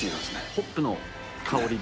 ホップの香りで。